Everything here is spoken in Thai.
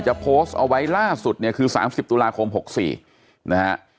โพสต์เอาไว้ล่าสุดเนี่ยคือ๓๐ตุลาคม๖๔นะฮะ